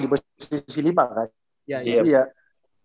di posisi lima kan